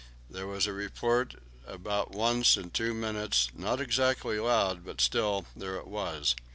There was a report about once in two minutes, not exactly loud, but still, there it was.